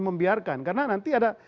membiarkan karena nanti ada